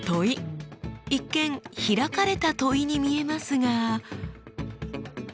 一見開かれた問いに見えますが。